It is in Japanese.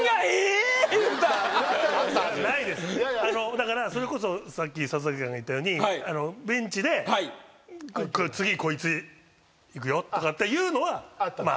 だからそれこそさっき佐々木さんが言ったようにベンチで次こいついくよとかっていうのはありました。